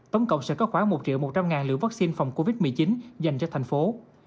tổng cộng sẽ có khoảng một triệu một trăm linh liều vaccine phòng covid một mươi chín dành cho thành phố